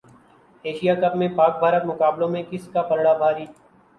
Asia cup میں پاک بھارت مقابلوں میں کس کا پلڑا بھاری